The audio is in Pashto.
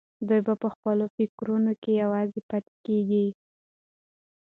دی به تل په خپلو فکرونو کې یوازې پاتې کېږي.